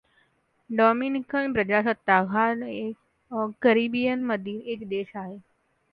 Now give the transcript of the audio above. Dominican प्रजासत्ताक हा कॅरिबियनमधील एक देश आहे.